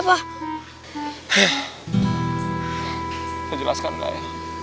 saya jelaskan dulu ya